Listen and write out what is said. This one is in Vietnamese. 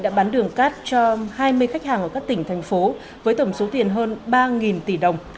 đã bán đường cát cho hai mươi khách hàng ở các tỉnh thành phố với tổng số tiền hơn ba tỷ đồng